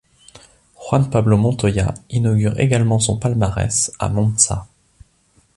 Juan Pablo Montoya inaugure également son palmarès, à Monza.